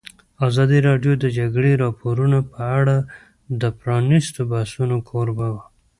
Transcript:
ازادي راډیو د د جګړې راپورونه په اړه د پرانیستو بحثونو کوربه وه.